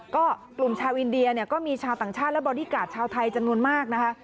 ก็กลุ่มชาวอินเดียเนี่ยก็มีชาวต่างชาติและบอดี้การ์ดชาวไทยจำนวนมากนะคะ